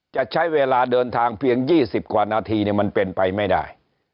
จะใช้เวลาเดินทางเพียง๒๐กว่านาทีมันเป็นไปไม่ได้